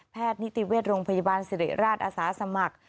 แพทย์นิติเวทย์โรงพยาบาลศิริราชอสมัคร